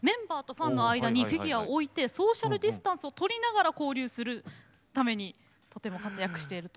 ファンの間にフィギュアを置いてソーシャルディスタンスを取りながら交流するためにとても活躍していると。